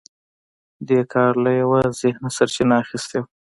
دې کار له یوه ذهنه سرچینه اخیستې وه